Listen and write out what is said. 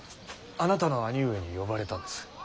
あなたの兄上に呼ばれたんです。